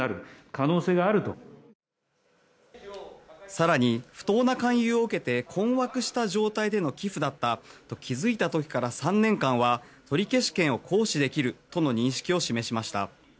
更に、不当な勧誘を受けて困惑した状態での寄付だったと気付いた時から３年間は取り消し権を行使できるとの認識を示しました。